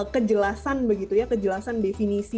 kejelasan begitu ya kejelasan definisi